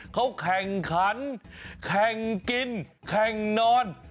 เขาแข่งขันแข่งกินแข่งนอน